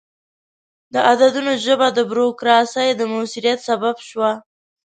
د عددونو ژبه د بروکراسي د موثریت سبب شوه.